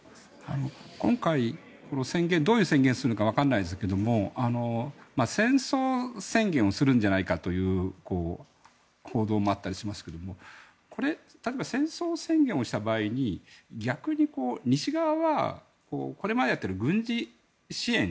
今回、どういう宣言をするか分からないですけど戦争宣言をするんじゃないかという報道もあったりしますけど例えば戦争宣言をした場合に逆に西側はこれまでやっている軍事支援